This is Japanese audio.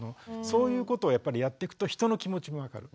そういうことをやっぱりやっていくと人の気持ちも分かる。